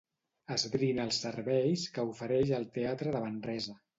Esbrina els serveis que ofereix el teatre de Manresa.